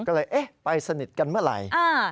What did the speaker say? ก็เลยเอ๊ะไปสนิทกันเมื่อไหร่